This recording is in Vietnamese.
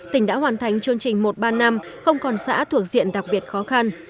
tỉnh đã hoàn thành chương trình một ba năm không còn xã thuộc diện đặc biệt khó khăn